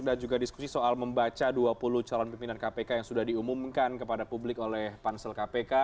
dan juga diskusi soal membaca dua puluh calon pimpinan kpk yang sudah diumumkan kepada publik oleh pansel kpk